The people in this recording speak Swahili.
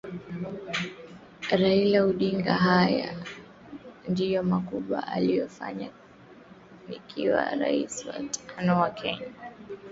Raila Odinga Haya ndiyo makubwa nitakayofanya nikiwa raisi wa tano wa Kenya